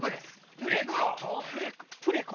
プレコ？